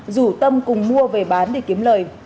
rủ tâm cùng mua về bán để kiếm lời